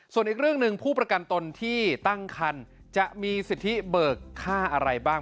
ส่วนอีกเรื่องหนึ่งผู้ประกันตนที่ตั้งคันจะมีสิทธิเบิกค่าอะไรบ้าง